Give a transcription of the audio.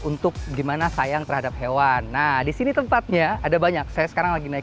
untuk gimana sayang terhadap hewan nah disini tempatnya ada banyak saya sekarang lagi naik